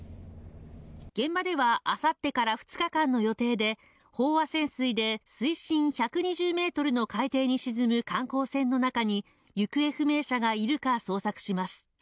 現場では、あさってから２日間の予定で飽和潜水で水深１２０ｍの海底に沈む観光船の中に行方不明者がいるか捜索します。